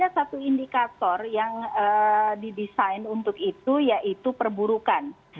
ada satu indikator yang didesain untuk itu yaitu perburukan